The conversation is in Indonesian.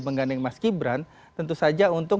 menggandeng mas gibran tentu saja untuk